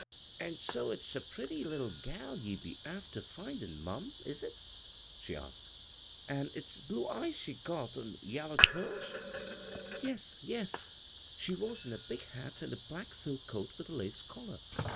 " An' so it's a pretty little gal ye'd be after findin', mum ; is it ?" she asked. " An' it's blue eyes she's got, an' yaller curls ?"" Yes, yes I She was in a big hat and a black silk coat with a lace collar.